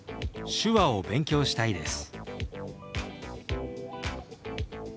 「手話を勉強したいです」。